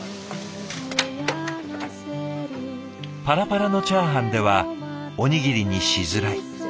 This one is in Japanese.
パラパラのチャーハンではおにぎりにしづらい。